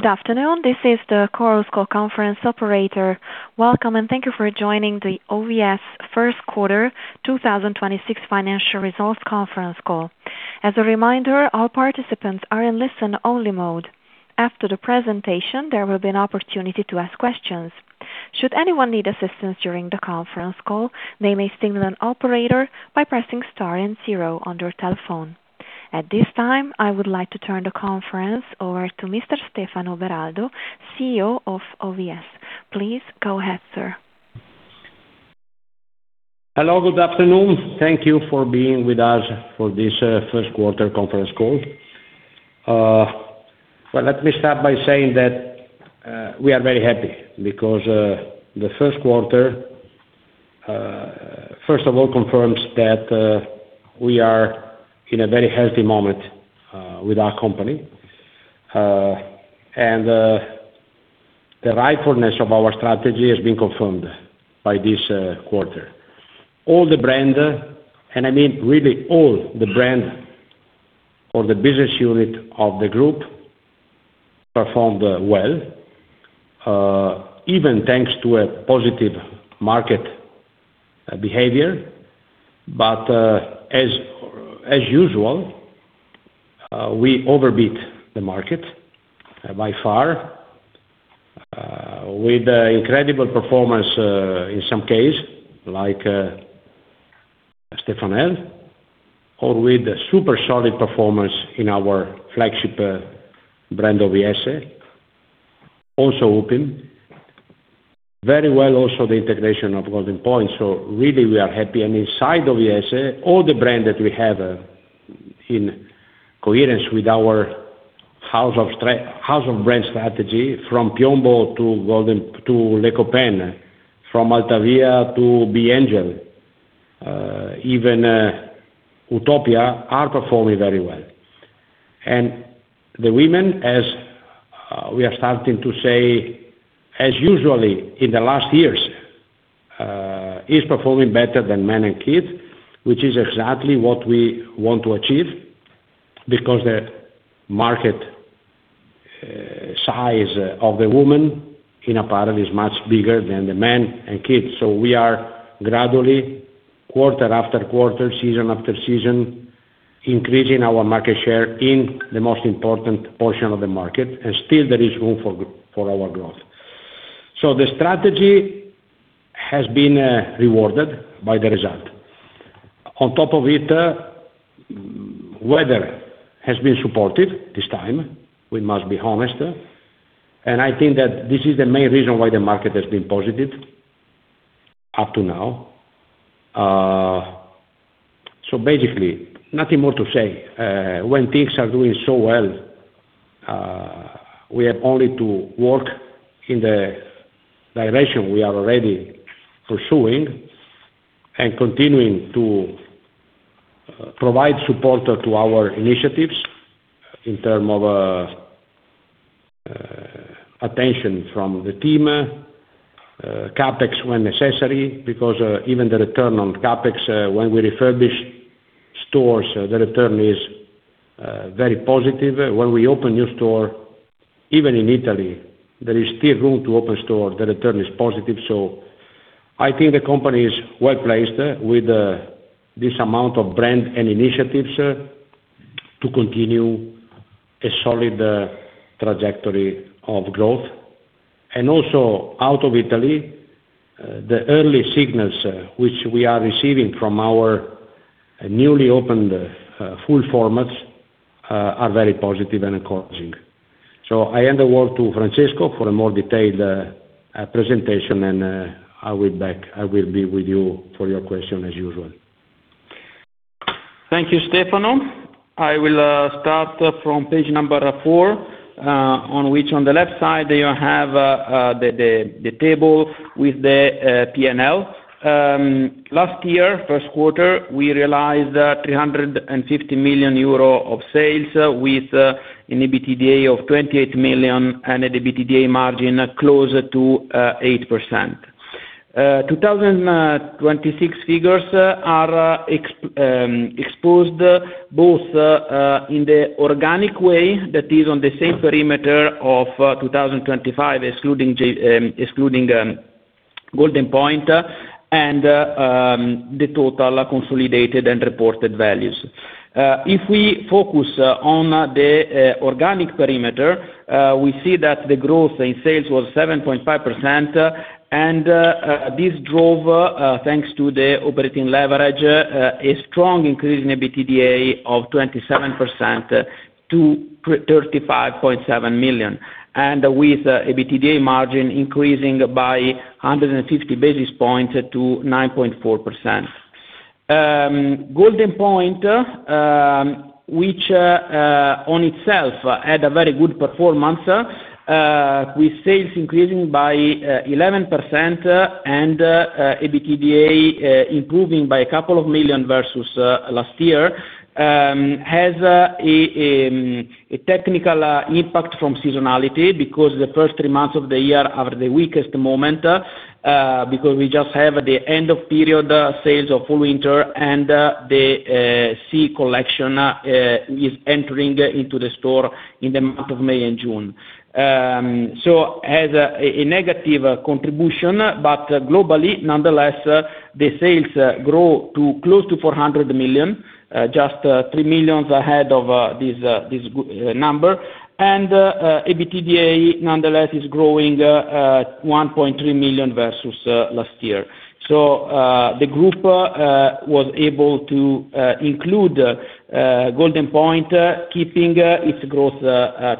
Good afternoon. This is the Chorus Call Conference Operator. Welcome, and thank you for joining the OVS First Quarter 2026 Financial Results Conference Call. As a reminder, all participants are in listen-only mode. After the presentation, there will be an opportunity to ask questions. Should anyone need assistance during the conference call, they may signal an operator by pressing star and zero on their telephone. At this time, I would like to turn the conference over to Mr. Stefano Beraldo, CEO of OVS. Please go ahead, sir. Hello, good afternoon. Thank you for being with us for this First Quarter Conference Call. Let me start by saying that we are very happy because the first quarter, first of all, confirms that we are in a very healthy moment with our company. The rightfulness of our strategy has been confirmed by this quarter. All the brands, all the business units of the group performed well, even thanks to a positive market behavior. As usual, we overbeat the market by far, with incredible performance in some cases like Stefanel or with super solid performance in our flagship brand, OVS. Also, Upim. Very well also the integration of Goldenpoint. Really we are happy. Inside OVS, all the brands that we have in coherence with our house of brands strategy, from Piombo to Les Copains, from Altavia to B.Angel, even Utopja, are performing very well. The women, as we are starting to say, as usually in the last years, is performing better than men and kids, which is exactly what we want to achieve, because the market size of the woman, in a part is, much bigger than the men and kids. We are gradually, quarter after quarter, season after season, increasing our market share in the most important portion of the market, and still there is room for our growth. The strategy has been rewarded by the result. On top of it, weather has been supportive this time, we must be honest. I think that this is the main reason why the market has been positive up to now. Basically, nothing more to say. When things are doing so well, we have only to work in the direction we are already pursuing and continuing to provide support to our initiatives in term of attention from the team, CapEx when necessary, because even the return on CapEx, when we refurbish stores, the return is very positive. When we open new store, even in Italy, there is still room to open store. The return is positive. I think the company is well-placed with this amount of brand and initiatives to continue a solid trajectory of growth. Also, out of Italy, the early signals which we are receiving from our newly opened full formats are very positive and encouraging. I hand the word to Francesco for a more detailed presentation, and I will be with you for your question as usual. Thank you, Stefano. I will start from page number four, on which on the left side, you have the table with the P&L. Last year, first quarter, we realized 350 million euro of sales with an EBITDA of 28 million and an EBITDA margin close to 8%. 2026 figures are exposed both in the organic way that is on the same perimeter of 2025, excluding Goldenpoint and the total consolidated and reported values. If we focus on the organic perimeter, we see that the growth in sales was 7.5%, and this drove, thanks to the operating leverage, a strong increase in EBITDA of 27% to 35.7 million. With EBITDA margin increasing by 150 basis points to 9.4%. Goldenpoint, which on itself had a very good performance, with sales increasing by 11% and EBITDA improving by a couple of million versus last year, has a technical impact from seasonality because the first three months of the year are the weakest moment, because we just have the end-of-period sales of winter and the SS collection is entering into the store in the months of May and June. Has a negative contribution, but globally nonetheless, the sales grow to close to 400 million, just 3 million ahead of this number. EBITDA, nonetheless, is growing at 1.3 million versus last year. The group was able to include Goldenpoint, keeping its growth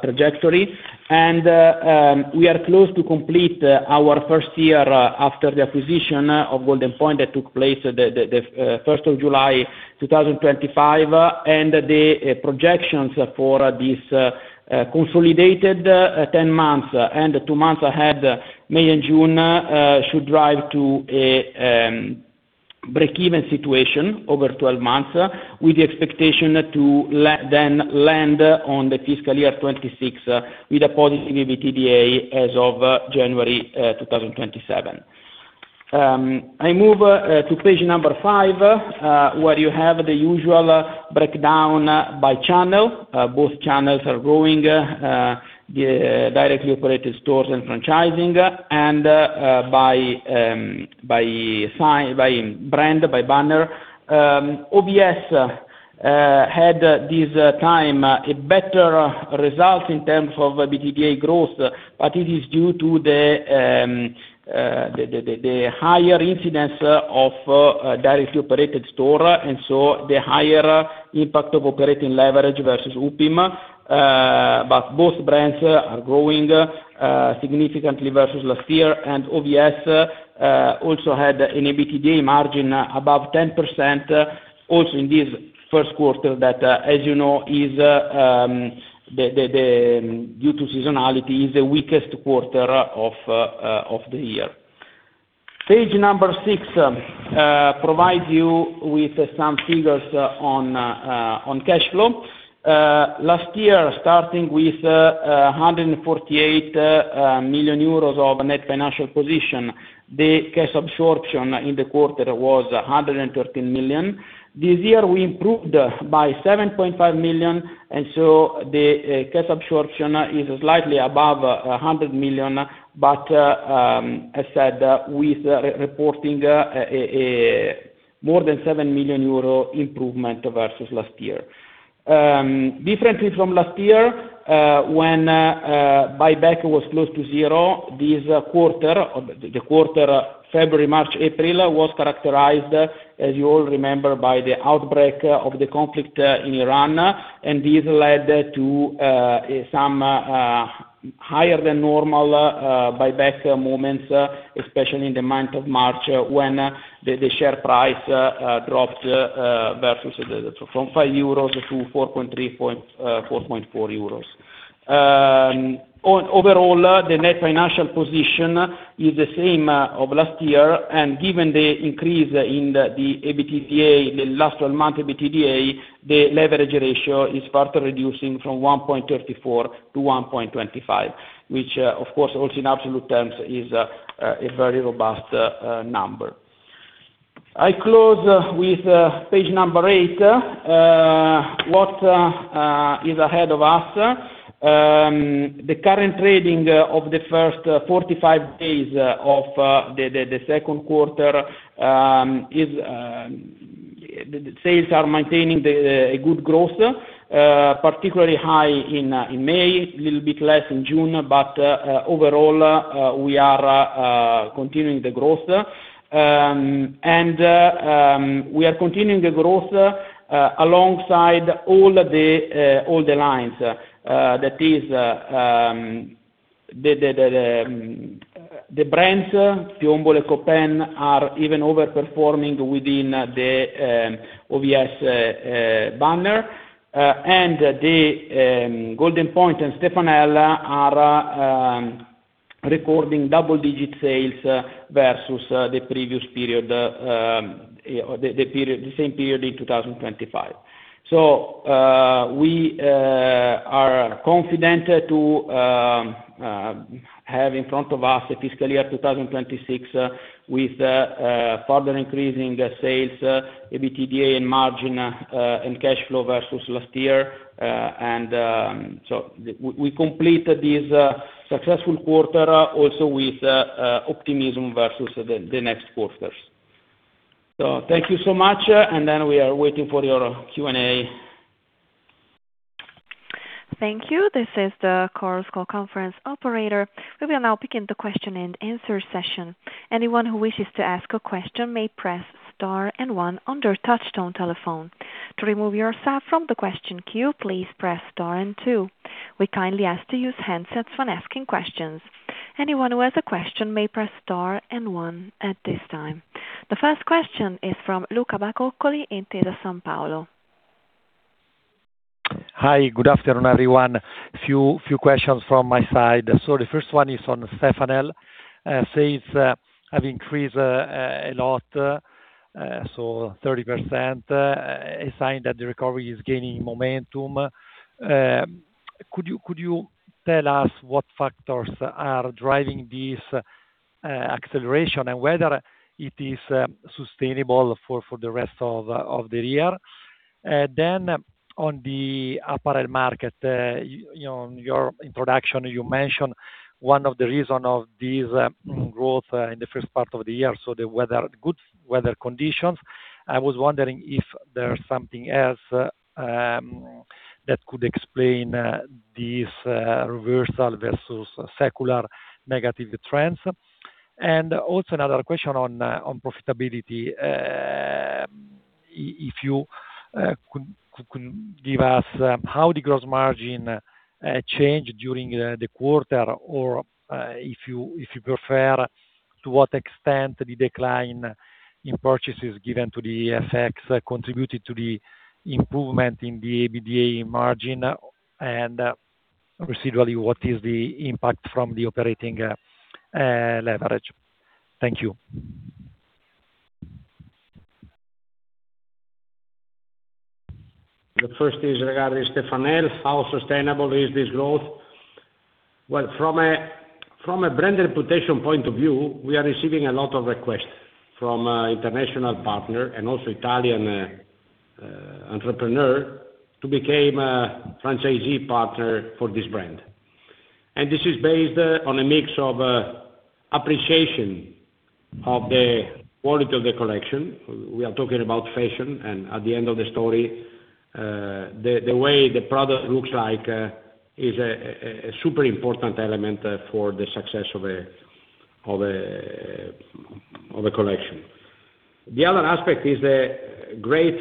trajectory. We are close to complete our first year after the acquisition of Goldenpoint that took place the 1st of July 2025, and the projections for this consolidated 10 months and two months ahead, May and June, should drive to a breakeven situation over 12 months, with the expectation to then land on the fiscal year 2026 with a positive EBITDA as of January 2027. I move to page number five, where you have the usual breakdown by channel. Both channels are growing, directly operated stores and franchising, and by brand, by banner. OVS had this time a better result in terms of EBITDA growth, but it is due to the higher incidence of directly operated store, and so the higher impact of operating leverage versus Upim. Both brands are growing significantly versus last year. OVS also had an EBITDA margin above 10%, also in this first quarter that, as you know, due to seasonality, is the weakest quarter of the year. Page number six provides you with some figures on cash flow. Last year, starting with 148 million euros of net financial position, the cash absorption in the quarter was 113 million. This year, we improved by 7.5 million. The cash absorption is slightly above 100 million, but as said, with reporting more than 7 million euro improvement versus last year. Differently from last year, when buyback was close to zero, this quarter, the quarter February, March, April, was characterized, as you all remember, by the outbreak of the conflict in Iran. This led to some higher than normal buyback moments, especially in the month of March when the share price dropped from 5 euros to 4.4 euros. Overall, the net financial position is the same of last year. Given the increase in the last 12-month EBITDA, the leverage ratio is further reducing from 1.34 to 1.25, which of course also in absolute terms is a very robust number. I close with page number eight. What is ahead of us? The current trading of the first 45 days of the second quarter, sales are maintaining a good growth, particularly high in May, little bit less in June. Overall, we are continuing the growth. We are continuing the growth alongside all the lines. That is, the brands, Piombo and Les Copains, are even over-performing within the OVS banner. Goldenpoint and Stefanel are recording double-digit sales versus the same period in 2025. We are confident to have in front of us a fiscal year 2026 with further increasing sales, EBITDA, and margin, and cash flow versus last year. We completed this successful quarter also with optimism versus the next quarters. Thank you so much. We are waiting for your Q&A. Thank you. This is the Chorus Call Conference Operator. We will now begin the question and answer session. Anyone who wishes to ask a question may press star and one on their touchtone telephone. To remove yourself from the question queue, please press star and two. We kindly ask to use handsets when asking questions. Anyone who has a question may press star and one at this time. The first question is from Luca Bacoccoli, Intesa Sanpaolo. Hi, good afternoon, everyone. A few questions from my side. The first one is on Stefanel. Sales have increased a lot, 30%, a sign that the recovery is gaining momentum. Could you tell us what factors are driving this acceleration and whether it is sustainable for the rest of the year? On the apparel market, in your introduction, you mentioned one of the reasons of this growth in the first part of the year, the good weather conditions. I was wondering if there's something else that could explain this reversal versus secular negative trends. Also another question on profitability. If you could give us how the gross margin changed during the quarter or, if you prefer, to what extent the decline in purchases given to the FX contributed to the improvement in the EBITDA margin, and residually, what is the impact from the operating leverage? Thank you. The first is regarding Stefanel. How sustainable is this growth? From a brand reputation point of view, we are receiving a lot of requests from international partners and also Italian entrepreneurs to become a franchisee partner for this brand. This is based on a mix of appreciation of the quality of the collection. We are talking about fashion, at the end of the story, the way the product looks is a super important element for the success of a collection. The other aspect is the great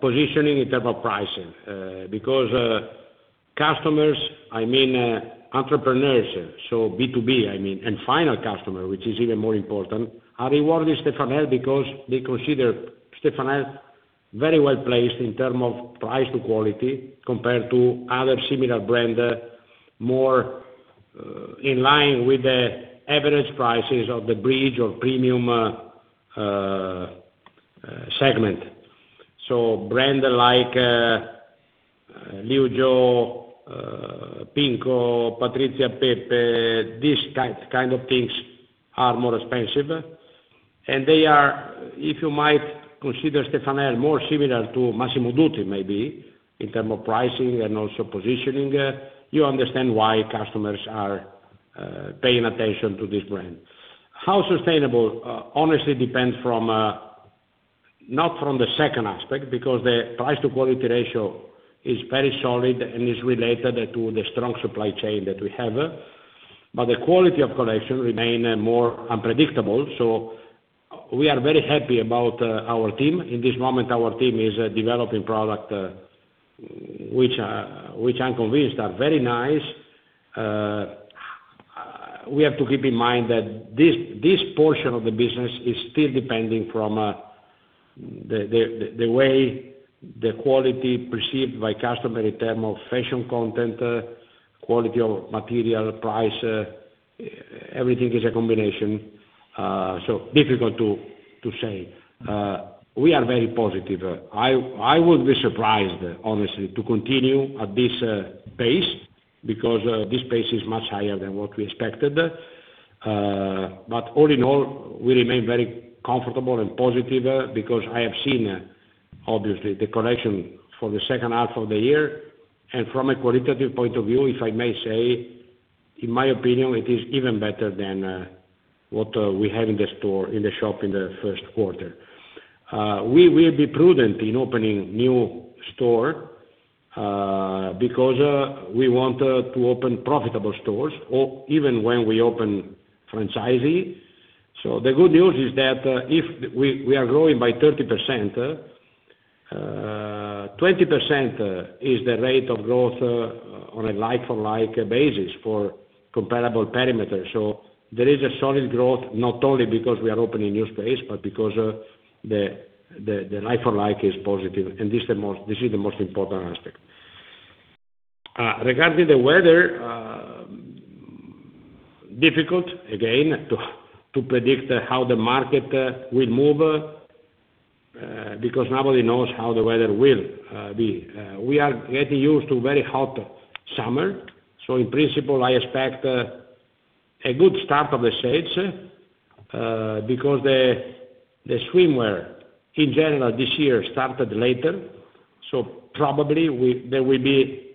positioning in terms of pricing. Customers, entrepreneurs, B2B, and final customer, which is even more important, are rewarding Stefanel because they consider Stefanel very well-placed in terms of price to quality compared to other similar brands, more in line with the average prices of the bridge or premium segment. Brands like Liu Jo, PINKO, Patrizia Pepe, this kind of things are more expensive. They are, if you might consider Stefanel more similar to Massimo Dutti, maybe, in terms of pricing and also positioning, you understand why customers are paying attention to this brand. How sustainable? Honestly, depends not from the second aspect, because the price to quality ratio is very solid and is related to the strong supply chain that we have. The quality of collection remains more unpredictable, we are very happy about our team. In this moment, our team is developing products which I'm convinced are very nice. We have to keep in mind that this portion of the business is still depending from the way the quality perceived by customer in terms of fashion content, quality of material, price, everything is a combination. Difficult to say. We are very positive. I would be surprised, honestly, to continue at this pace, because this pace is much higher than what we expected. All in all, we remain very comfortable and positive because I have seen, obviously, the collection for the second half of the year. From a qualitative point of view, if I may say, in my opinion, it is even better than what we have in the shop in the first quarter. We will be prudent in opening new stores, because we want to open profitable stores, even when we open franchisee. The good news is that if we are growing by 30%, 20% is the rate of growth on a like-for-like basis for comparable perimeter. There is a solid growth, not only because we are opening new space, but because the like-for-like is positive. This is the most important aspect. Regarding the weather, difficult, again, to predict how the market will move, because nobody knows how the weather will be. We are getting used to very hot summer. In principle, I expect a good start of the sales, because the swimwear in general this year started later. Probably, there will be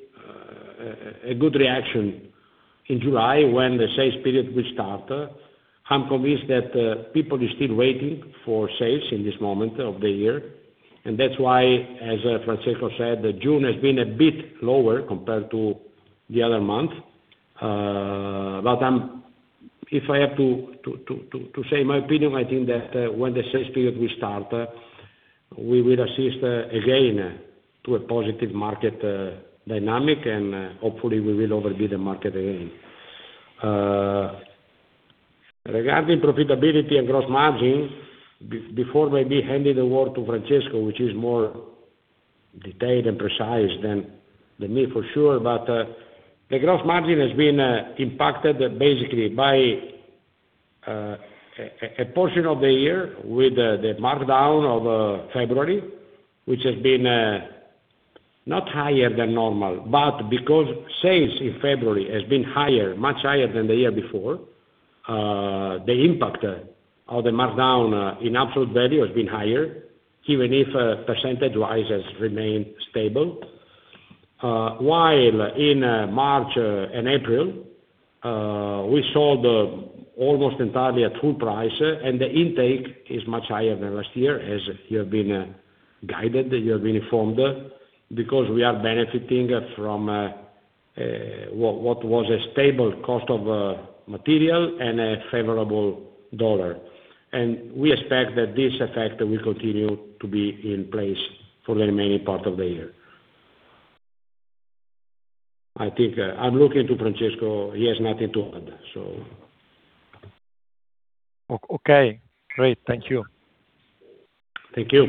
a good reaction in July when the sales period will start. I'm convinced that people are still waiting for sales in this moment of the year. That's why, as Francesco said, June has been a bit lower compared to the other months. If I have to say my opinion, I think that when the sales period will start, we will assist again to a positive market dynamic, and hopefully we will outperform the market again. Regarding profitability and gross margin, before maybe handing the word to Francesco, which is more detailed and precise than me for sure. The gross margin has been impacted basically by a portion of the year with the markdown of February, which has been not higher than normal, but because sales in February has been much higher than the year before, the impact of the markdown in absolute value has been higher, even if percentage-wise has remained stable. While in March and April, we sold almost entirely at full price, and the intake is much higher than last year, as you have been guided, you have been informed, because we are benefiting from what was a stable cost of material and a favorable U.S. dollar. We expect that this effect will continue to be in place for the remaining part of the year. I'm looking to Francesco. He has nothing to add. Okay, great. Thank you. Thank you.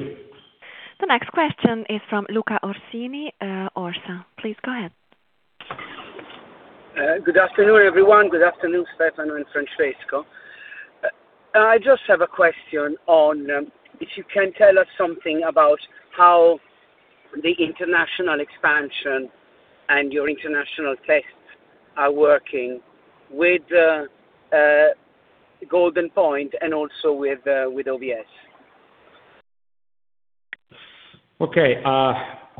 The next question is from Luca Orsini, ORSA. Please go ahead. Good afternoon, everyone. Good afternoon, Stefano and Francesco. I just have a question on, if you can tell us something about how the international expansion and your international tests are working with Goldenpoint and also with OVS. Okay.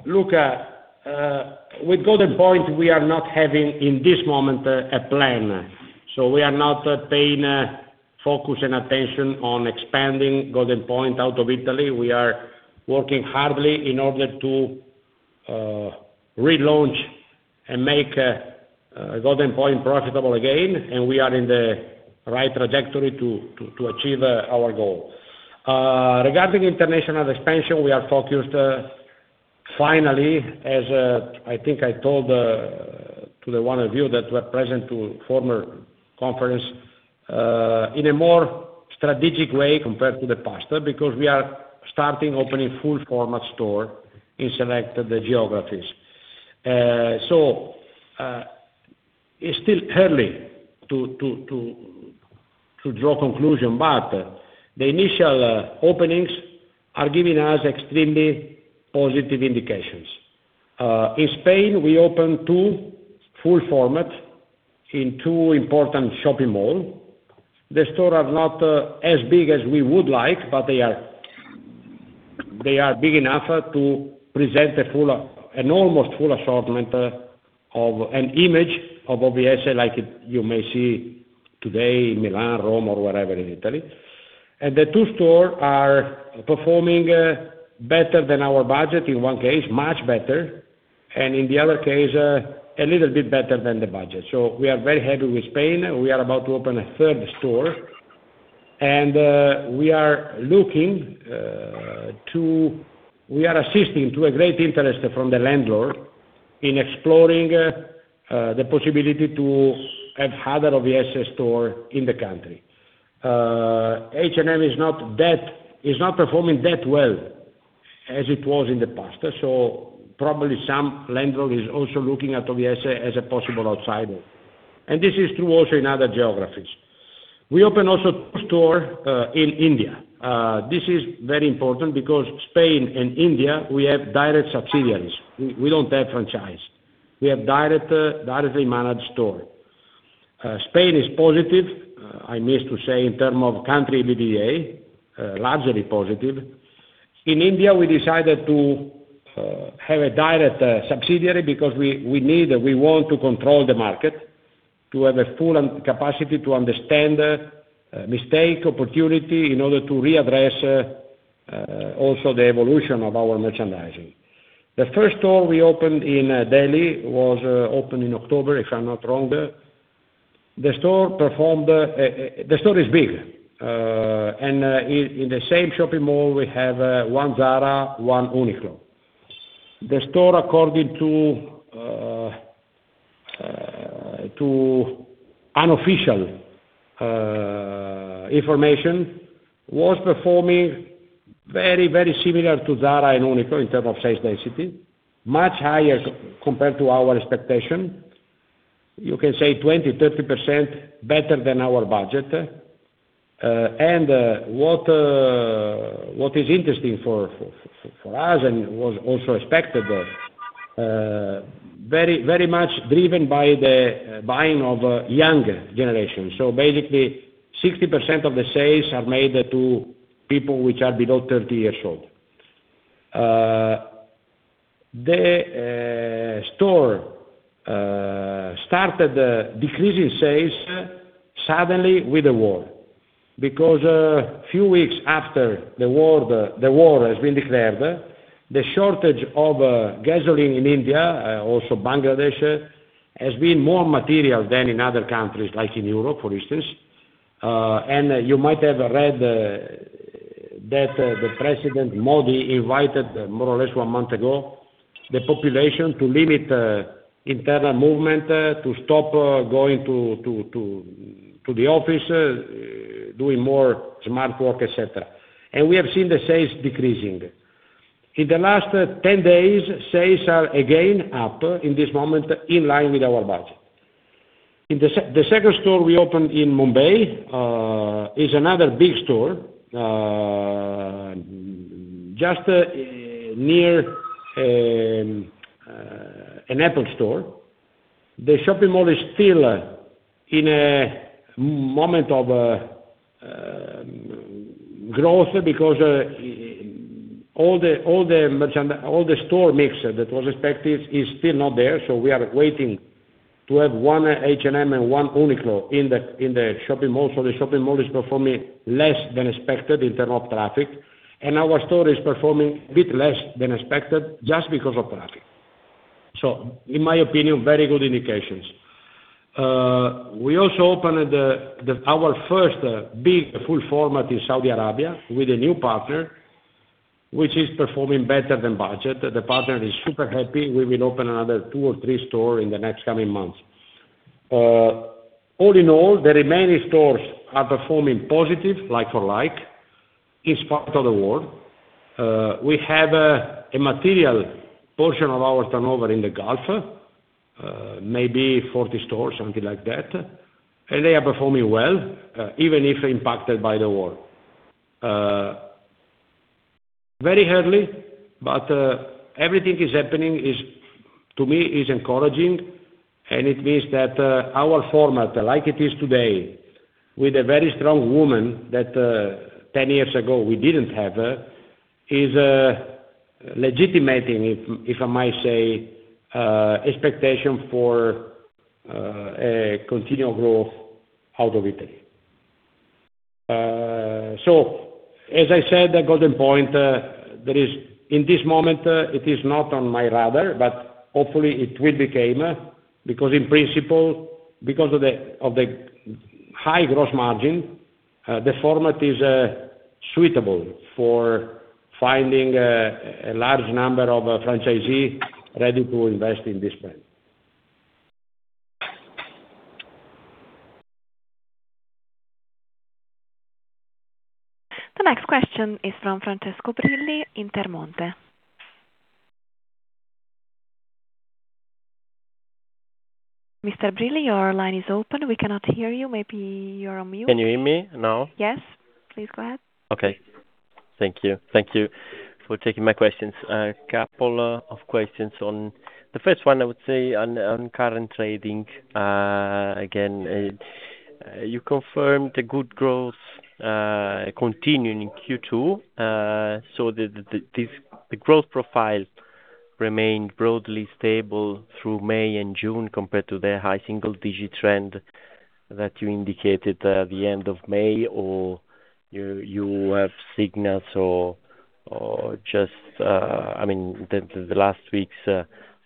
Luca, with Goldenpoint, we are not having, in this moment, a plan. We are not paying focus and attention on expanding Goldenpoint out of Italy. We are working hardly in order to relaunch and make Goldenpoint profitable again, and we are in the right trajectory to achieve our goal. Regarding international expansion, we are focused finally, as I think I told to the one of you that were present to former conference, in a more strategic way compared to the past, because we are starting opening full format store in selected geographies. It's still early to draw conclusion, but the initial openings are giving us extremely positive indications. In Spain, we opened two full format in two important shopping mall. The two store are not as big as we would like, but they are big enough to present an almost full assortment of an image of OVS, like you may see today in Milan, Rome or wherever in Italy. The two store are performing better than our budget, in one case, much better, and in the other case, a little bit better than the budget. We are very happy with Spain. We are about to open a third store, and we are assisting to a great interest from the landlord in exploring the possibility to have other OVS store in the country. H&M is not performing that well as it was in the past. Probably some landlord is also looking at OVS as a possible outsider. This is true also in other geographies. We open also store in India. This is very important because Spain and India, we have direct subsidiaries. We don't have franchise. We have directly managed store. Spain is positive, I missed to say, in term of country EBITDA, largely positive. In India, we decided to have a direct subsidiary because we want to control the market, to have a full capacity to understand mistake, opportunity, in order to readdress also the evolution of our merchandising. The 1st store we opened in Delhi was opened in October, if I'm not wrong. The store is big, and in the same shopping mall, we have one Zara, one Uniqlo. The store, according to unofficial information, was performing very similar to Zara and Uniqlo in term of sales density, much higher compared to our expectation. You can say 20%, 30% better than our budget. What is interesting for us, and was also expected, very much driven by the buying of younger generation. Basically, 60% of the sales are made to people which are below 30 years old. The store started decreasing sales suddenly with the war, because few weeks after the war has been declared, the shortage of gasoline in India, also Bangladesh, has been more material than in other countries, like in Europe, for instance. You might have read that the President Modi invited, more or less 1 month ago, the population to limit internal movement, to stop going to the office, doing more smart work, et cetera. We have seen the sales decreasing. In the last 10 days, sales are again up, in this moment, in line with our budget. The second store we opened in Mumbai is another big store, just near an Apple store. The shopping mall is still in a moment of growth because all the store mix that was expected is still not there. We are waiting to have one H&M and one Uniqlo in the shopping mall. The shopping mall is performing less than expected in terms of traffic, and our store is performing a bit less than expected just because of traffic. In my opinion, very good indications. We also opened our first big full format in Saudi Arabia with a new partner, which is performing better than budget. The partner is super happy. We will open another two or three store in the next coming months. All in all, the remaining stores are performing positive like-for-like, in spite of the war. We have a material portion of our turnover in the Gulf, maybe 40 stores, something like that, and they are performing well, even if impacted by the war. Very early, but everything is happening, to me, is encouraging, and it means that our format, like it is today, with a very strong woman that 10 years ago we didn't have, is legitimating, if I might say, expectation for a continual growth out of Italy. As I said, Goldenpoint, in this moment, it is not on my radar, but hopefully it will become, because in principle, because of the high gross margin, the format is suitable for finding a large number of franchisee ready to invest in this brand. The next question is from Francesco Brilli, Intermonte. Mr. Brilli, your line is open. We cannot hear you. Maybe you're on mute. Can you hear me now? Yes. Please go ahead. Thank you. Thank you for taking my questions. A couple of questions. The first one, I would say, on current trading. Again, you confirmed the good growth continuing in Q2, so the growth profile remained broadly stable through May and June compared to the high single-digit trend that you indicated at the end of May, or you have signals or just the last weeks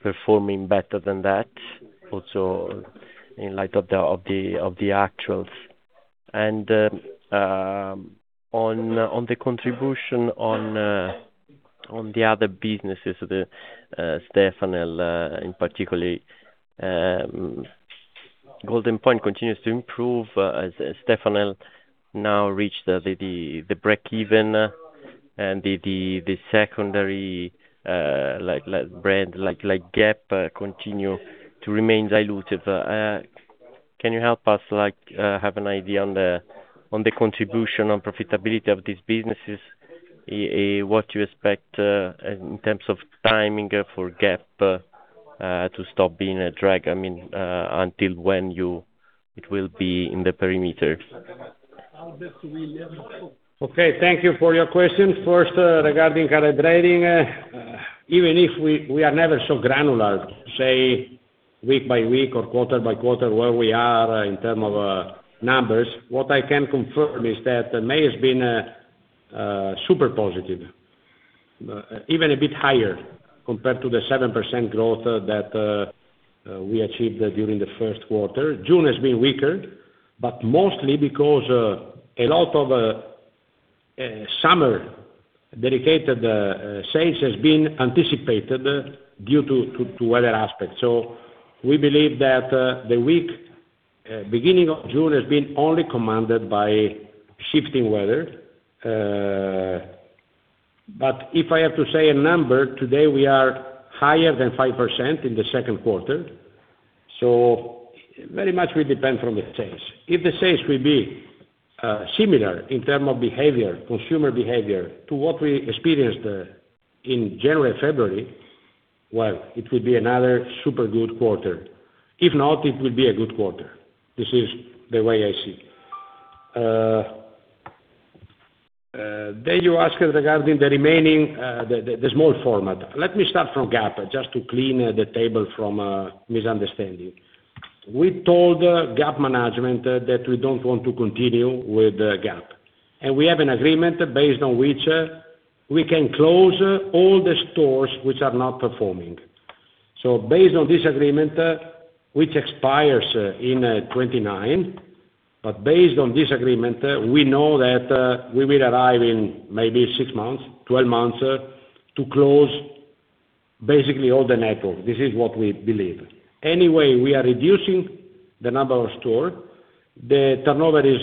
performing better than that, also in light of the actuals. On the contribution on the other businesses, Stefanel in particularly. Goldenpoint continues to improve as Stefanel now reached the breakeven and the secondary brand, like Gap, continue to remain dilutive. Can you help us have an idea on the contribution on profitability of these businesses? What you expect in terms of timing for Gap to stop being a drag? Until when it will be in the perimeters? Thank you for your questions. First, regarding current trading, even if we are never so granular, say, week by week or quarter by quarter, where we are in term of numbers, what I can confirm is that May has been super positive, even a bit higher compared to the 7% growth that we achieved during the first quarter. June has been weaker, but mostly because a lot of summer dedicated sales has been anticipated due to weather aspects. We believe that the week beginning of June has been only commanded by shifting weather. If I have to say a number, today we are higher than 5% in the second quarter. Very much will depend from the sales. If the sales will be similar in term of behavior, consumer behavior, to what we experienced in January, February, well, it will be another super good quarter. If not, it will be a good quarter. This is the way I see it. You ask regarding the remaining, the small format. Let me start from Gap, just to clean the table from misunderstanding. We told Gap management that we don't want to continue with Gap. We have an agreement based on which we can close all the stores which are not performing. Based on this agreement, which expires in 2029, based on this agreement, we know that we will arrive in maybe six months, 12 months, to close basically all the network. This is what we believe. Anyway, we are reducing the number of stores. The turnover is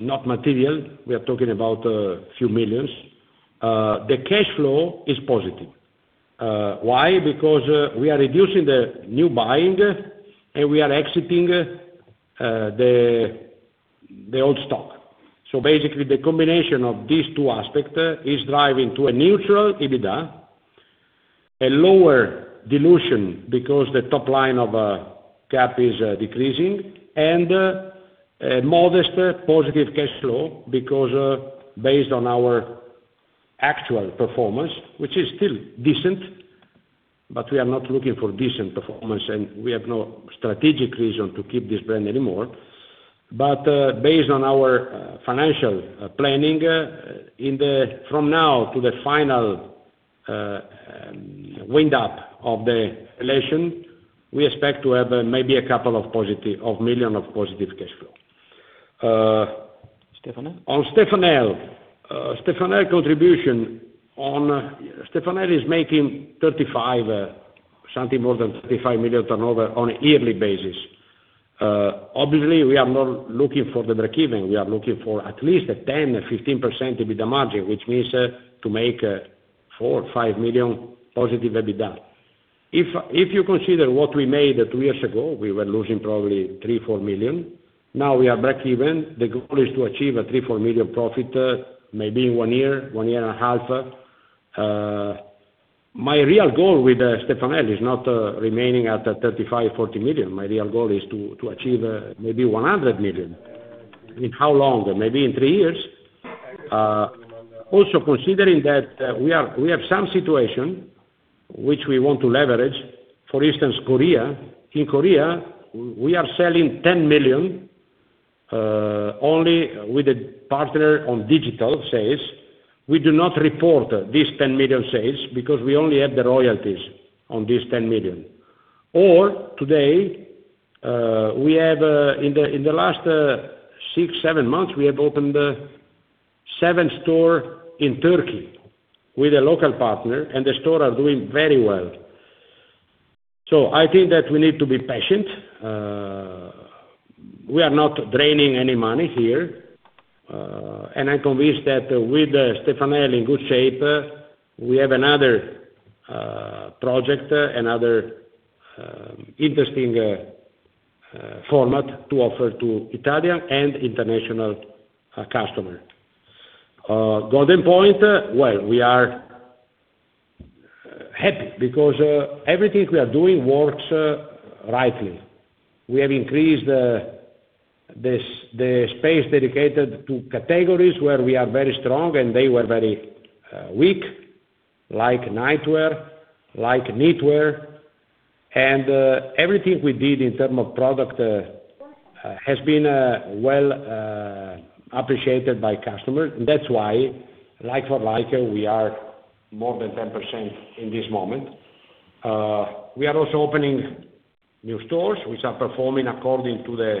not material. We are talking about a few millions. The cash flow is positive. Why? We are reducing the new buying, and we are exiting the old stock. Basically, the combination of these two aspects is driving to a neutral EBITDA, a lower dilution because the top line of Gap is decreasing, and a modest positive cash flow because based on our actual performance, which is still decent, but we are not looking for decent performance, and we have no strategic reason to keep this brand anymore. Based on our financial planning, from now to the final wind up of the relation, we expect to have maybe a couple of million of euros of positive cash flow. Stefanel? On Stefanel. Stefanel contribution. Stefanel is making something more than 35 million turnover on a yearly basis. Obviously, we are not looking for the breakeven. We are looking for at least a 10%-15% EBITDA margin, which means to make 4 million or 5 million positive EBITDA. If you consider what we made two years ago, we were losing probably 3 million, 4 million. Now we are breakeven. The goal is to achieve a 3 million, 4 million profit, maybe in one year, 1.5 year. My real goal with Stefanel is not remaining at 35 million, 40 million. My real goal is to achieve maybe 100 million. In how long? Maybe in three years. Considering that we have some situation which we want to leverage. For instance, Korea. In Korea, we are selling 10 million, only with a partner on digital sales. We do not report this 10 million sales because we only have the royalties on this 10 million. Today, in the last six, seven months, we have opened seven stores in Turkey with a local partner, and the stores are doing very well. I think that we need to be patient. We are not draining any money here. I'm convinced that with Stefanel in good shape, we have another project, another interesting format to offer to Italian and international customers. Goldenpoint, well, we are happy because everything we are doing works rightly. We have increased the space dedicated to categories where we are very strong, and they were very weak, like nightwear, like knitwear. Everything we did in terms of product has been well appreciated by customers. That's why like-for-like, we are more than 10% in this moment. We are also opening new stores, which are performing according to the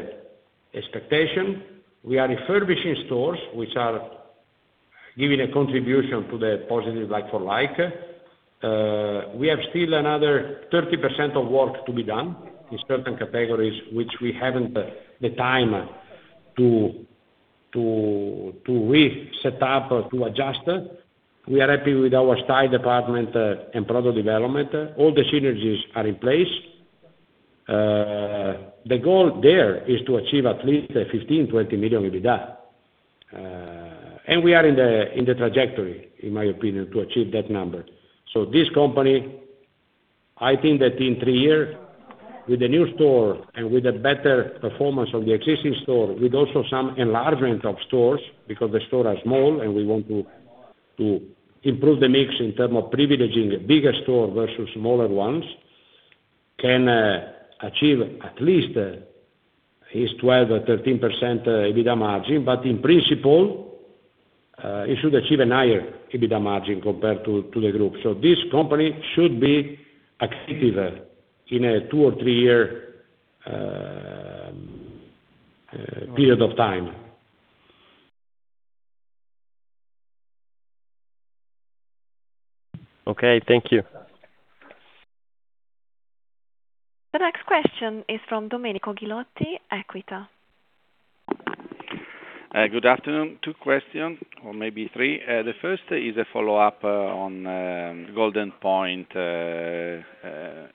expectation. We are refurbishing stores which are giving a contribution to the positive like-for-like. We have still another 30% of work to be done in certain categories, which we haven't the time to re-set up or to adjust. We are happy with our style department and product development. All the synergies are in place. The goal there is to achieve at least a 15 million, 20 million EBITDA. We are in the trajectory, in my opinion, to achieve that number. This company, I think that in three years, with the new store and with the better performance of the existing store, with also some enlargement of stores, because the stores are small and we want to improve the mix in term of privileging bigger stores versus smaller ones, can achieve at least 12% or 13% EBITDA margin, but in principle, it should achieve a higher EBITDA margin compared to the group. This company should be accretive in a two or three year period of time. Okay. Thank you. The next question is from Domenico Ghilotti, Equita. Good afternoon. Two questions or maybe three. The first is a follow-up on Goldenpoint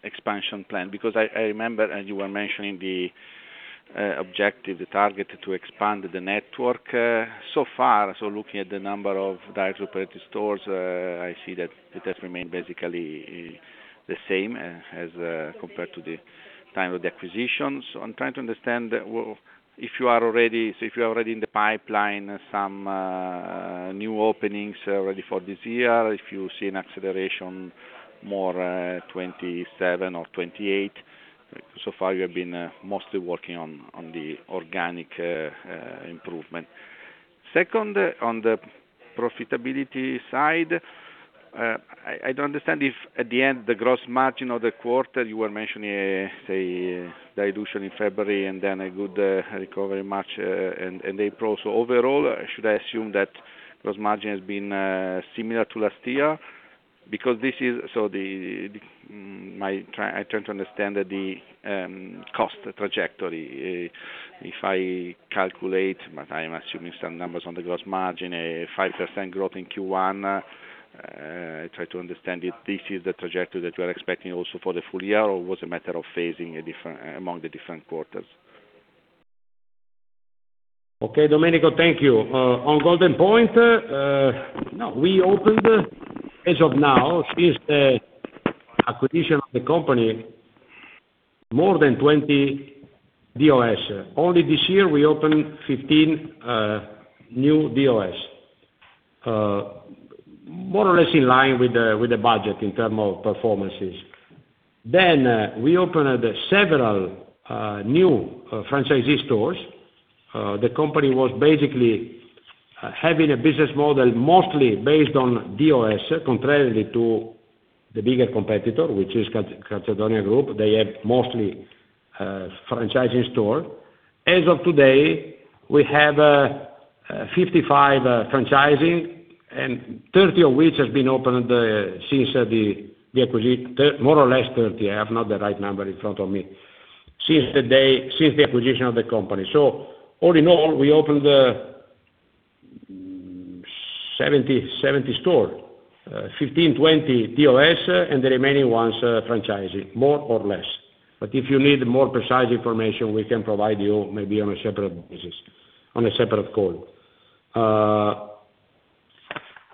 expansion plan, because I remember, and you were mentioning the objective, the target to expand the network. Far, so looking at the number of direct-operated stores, I see that it has remained basically the same as compared to the time of the acquisition. I'm trying to understand if you are already in the pipeline some new openings already for this year, if you see an acceleration more 2027 or 2028? So far, you have been mostly working on the organic improvement. Second, on the profitability side, I don't understand if at the end, the gross margin of the quarter, you were mentioning, say, dilution in February and then a good recovery in March and April. Overall, should I assume that gross margin has been similar to last year? Because I try to understand the cost trajectory. If I calculate, but I am assuming some numbers on the gross margin, a 5% growth in Q1, I try to understand if this is the trajectory that you are expecting also for the full year, or was it a matter of phasing among the different quarters? Okay, Domenico, thank you. On Goldenpoint, we opened, as of now, since the acquisition of the company, more than 20 DOS. Only this year, we opened 15 new DOS. More or less in term of performances. We opened several new franchisee stores. The company was basically having a business model mostly based on DOS, contrarily to the bigger competitor, which is Calzedonia Group. They have mostly franchising store. As of today, we have 55 franchising, and 30 of which has been opened since the acquisition. More or less 30, I have not the right number in front of me, since the acquisition of the company. All in all, we opened 70 stores, 15, 20 DOS, and the remaining ones franchising, more or less. If you need more precise information, we can provide you maybe on a separate basis, on a separate call.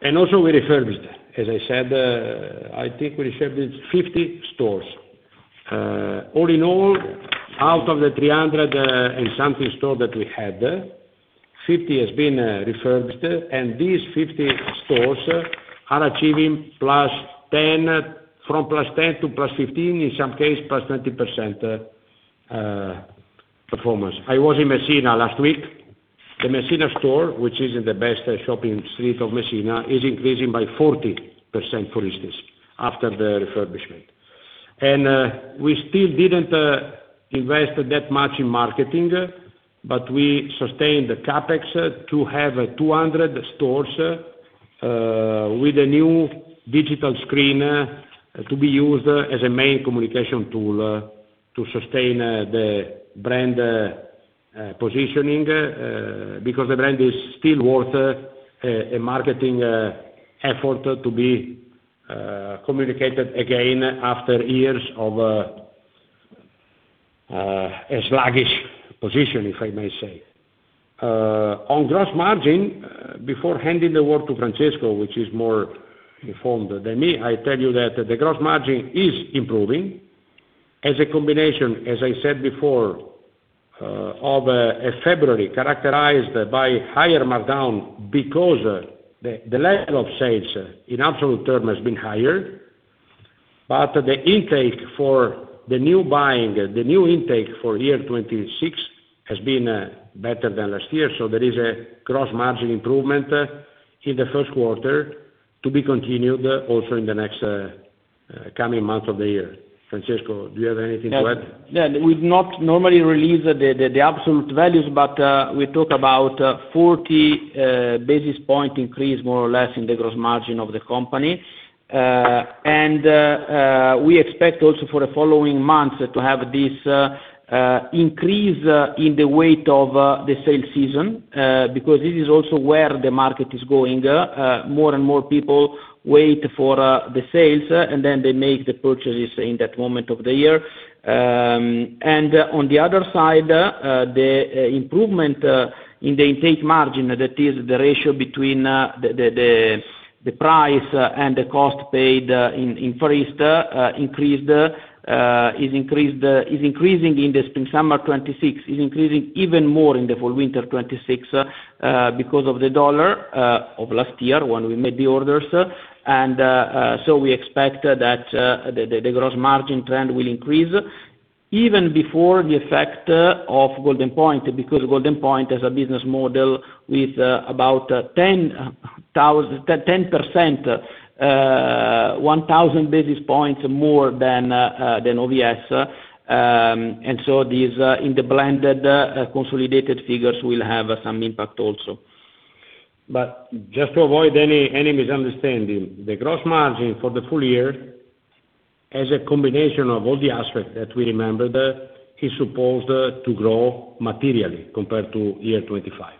Also we refurbished, as I said, I think we refurbished 50 stores. All in all, out of the 300 and something stores that we had, 50 has been refurbished, and these 50 stores are achieving from +10% to +15%, in some case, +20% performance. I was in Messina last week. The Messina store, which is in the best shopping street of Messina, is increasing by 40%, for instance, after the refurbishment. We still didn't invest that much in marketing, but we sustained the CapEx to have 200 stores with a new digital screen to be used as a main communication tool to sustain the brand positioning, because the brand is still worth a marketing effort to be communicated again after years of a sluggish position, if I may say. On gross margin, before handing the word to Francesco, which is more informed than me, I tell you that the gross margin is improving as a combination, as I said before, of a February characterized by higher markdown because the level of sales in absolute term has been higher. The intake for the new buying, the new intake for year 2026 has been better than last year. There is a gross margin improvement in the first quarter to be continued also in the next coming months of the year. Francesco, do you have anything to add? Yeah. We've not normally released the absolute values, but we talk about 40 basis point increase, more or less, in the gross margin of the company. We expect also for the following months to have this increase in the weight of the sales season, because this is also where the market is going. More and more people wait for the sales, then they make the purchases in that moment of the year. On the other side, the improvement in the intake margin, that is the ratio between the price and the cost paid in foreign increased, is increasing in the spring/summer 2026, is increasing even more in the fall/winter 2026, because of the dollar of last year when we made the orders. We expect that the gross margin trend will increase even before the effect of Goldenpoint, because Goldenpoint has a business model with about 10%, 1,000 basis points more than OVS. These, in the blended consolidated figures, will have some impact also. Just to avoid any misunderstanding, the gross margin for the full year, as a combination of all the aspects that we remembered, is supposed to grow materially compared to year 2025.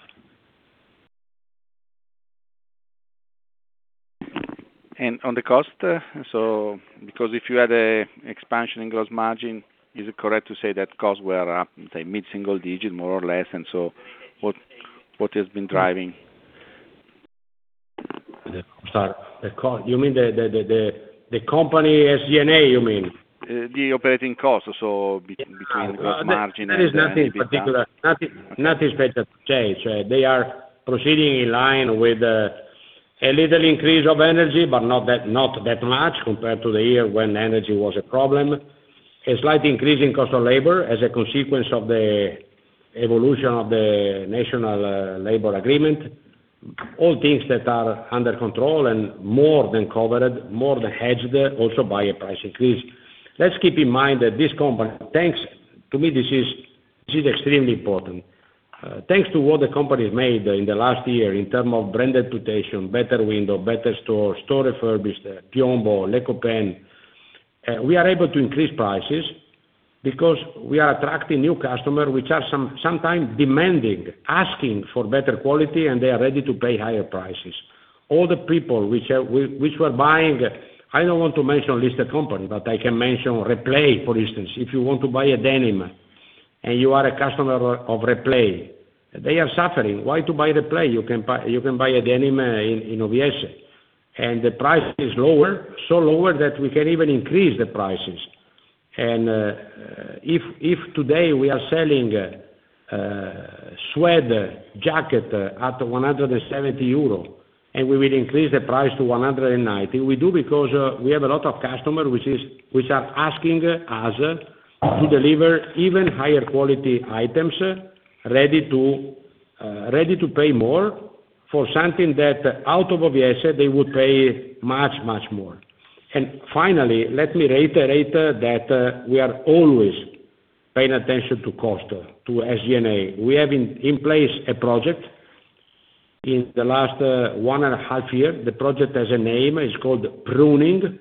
On the cost? If you had an expansion in gross margin, is it correct to say that costs were up, say, mid-single digit, more or less? What has been driving? You mean the company's SG&A? The operating costs, between gross margin and... There is nothing in particular. Nothing special to change. They are proceeding in line with a little increase of energy, but not that much compared to the year when energy was a problem. A slight increase in cost of labor as a consequence of the evolution of the national labor agreement. All things that are under control and more than covered, more than hedged there, also by a price increase. Let's keep in mind that this company, to me, this is extremely important. Thanks to what the company's made in the last year in terms of brand reputation, better window, better store refurbished, Piombo, Les Copains. We are able to increase prices because we are attracting new customer which are sometimes demanding, asking for better quality, and they are ready to pay higher prices. All the people which were buying, I don't want to mention a listed company, but I can mention Replay, for instance. If you want to buy a denim and you are a customer of Replay, they are suffering. Why to buy Replay? You can buy a denim in OVS. The price is lower. So lower that we can even increase the prices. If today we are selling a suede jacket at 170 euro and we will increase the price to 190, we do because we have a lot of customer which are asking us to deliver even higher quality items, ready to pay more for something that out of OVS, they would pay much, much more. Finally, let me reiterate that we are always paying attention to cost, to SG&A. We have in place a project in the last 1.5 year. The project has a name, it's called Pruning.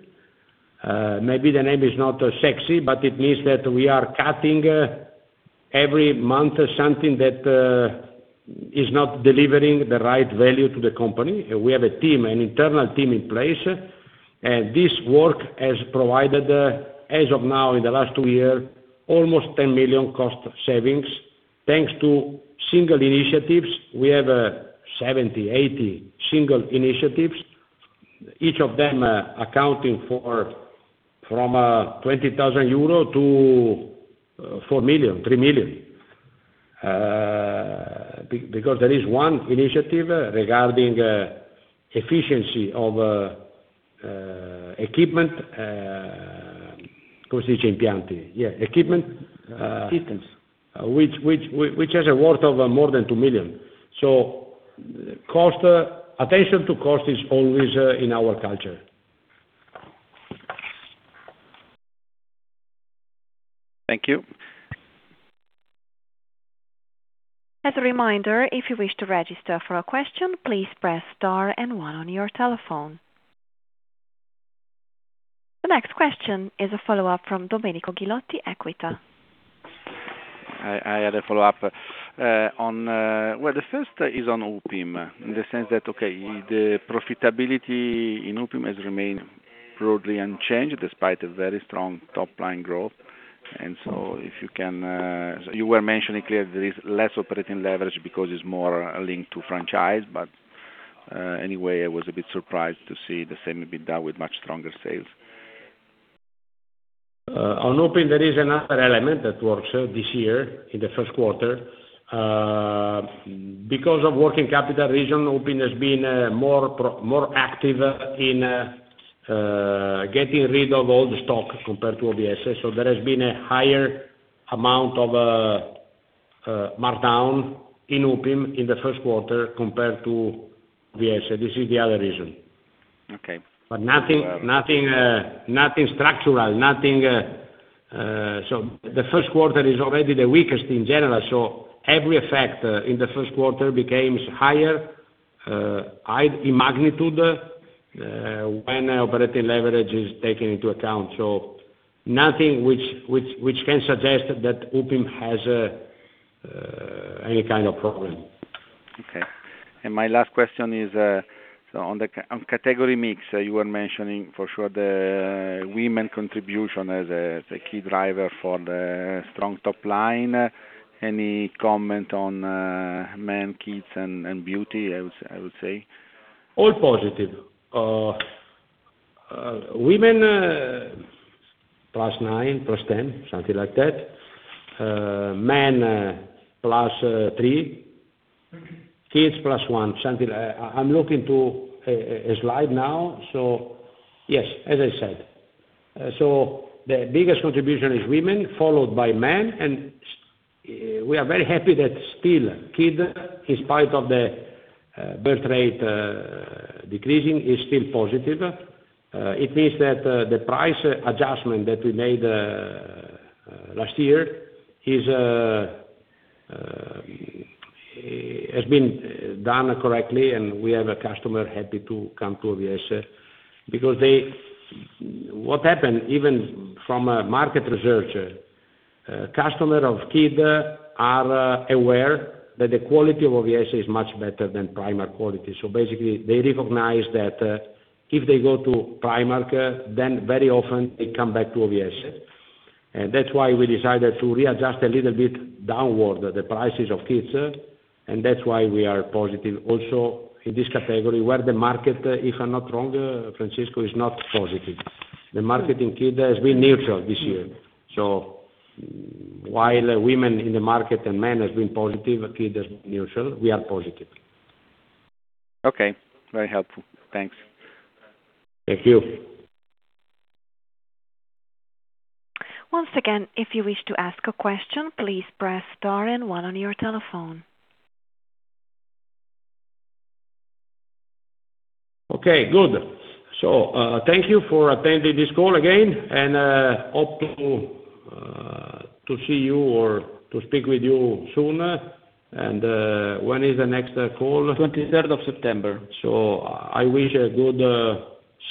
Maybe the name is not sexy, but it means that we are cutting every month something that is not delivering the right value to the company. We have a team, an internal team in place. This work has provided, as of now in the last two year, almost 10 million cost savings. Thanks to single initiatives, we have 70, 80 single initiatives, each of them accounting for from 20,000 euro to 4 million, 3 million. There is one initiative regarding efficiency of equipment... Systems.... Which has a worth of more than 2 million. Attention to cost is always in our culture. Thank you. As a reminder, if you wish to register for a question, please press star and one on your telephone. The next question is a follow-up from Domenico Ghilotti, Equita. I had a follow-up. Well, the first is on Upim, in the sense that, okay, the profitability in Upim has remained broadly unchanged despite a very strong top-line growth. You were mentioning clear there is less operating leverage because it's more linked to franchise. Anyway, I was a bit surprised to see the same EBITDA with much stronger sales. On Upim, there is another element that works this year in the first quarter. Because of working capital reasons, Upim has been more active in getting rid of old stock compared to OVS. There has been a higher amount of markdown in Upim in the first quarter compared to OVS. This is the other reason. Okay. Nothing structural. The first quarter is already the weakest in general, every effect in the first quarter becomes higher in magnitude, when operating leverage is taken into account. Nothing which can suggest that Upim has any kind of problem. My last question is on category mix, you were mentioning for sure the women contribution as a key driver for the strong top line. Any comment on men, kids, and beauty, I would say? All positive. Women, +9, +10, something like that. Men, +3. Kids, +1. I'm looking to a slide now. Yes, as I said. The biggest contribution is women, followed by men, and we are very happy that still kid, in spite of the birth rate decreasing, is still positive. It means that the price adjustment that we made last year has been done correctly, and we have a customer happy to come to OVS. What happened, even from a market research, customer of kid are aware that the quality of OVS is much better than Primark quality. Basically, they recognize that if they go to Primark, then very often they come back to OVS. That's why we decided to readjust a little bit downward the prices of kids, and that's why we are positive also in this category where the market, if I'm not wrong, Francesco, is not positive. The market in kid has been neutral this year. While women in the market and men has been positive, kid is neutral, we are positive. Okay. Very helpful. Thanks. Thank you. Once again, if you wish to ask a question, please press star and one on your telephone. Okay, good. Thank you for attending this call again, and hope to see you or to speak with you soon. When is the next call? 23rd of September. I wish a good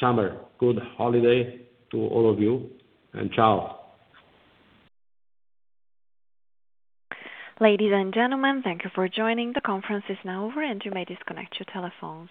summer, good holiday to all of you, and ciao. Ladies and gentlemen, thank you for joining. The conference is now over, and you may disconnect your telephones.